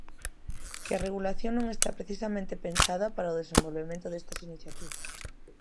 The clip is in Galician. Que a regulación non está precisamente pensada para o desenvolvemento destas iniciativas.